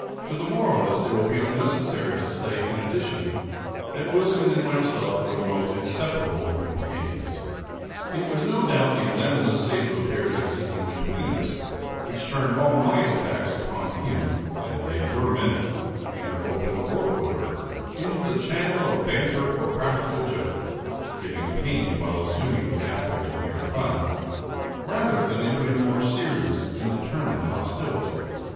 To the moralist it will be unnecessary to say, in addition, that Wilson and myself were the most inseparable of companions. It was no doubt the anomalous state of affairs existing between us, which turned all my attacks upon him, (and they were many, either open or covert) into the channel of banter or practical joke (giving pain while assuming the aspect of mere fun) rather than into a more serious and determined hostility.